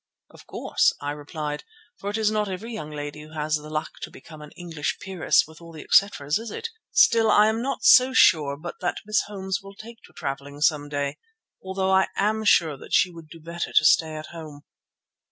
"Of course," I replied, "for it is not every young lady who has the luck to become an English peeress with all the etceteras, is it? Still I am not so sure but that Miss Holmes will take to travelling some day, although I am sure that she would do better to stay at home."